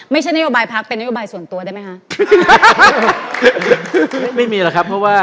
ไม่ใช่นโยบายพักษ์เป็นนโยบายส่วนตัวได้มั้ยฮะ